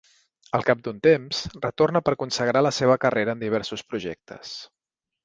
Al cap d'un temps, retorna per consagrar la seva carrera en diversos projectes.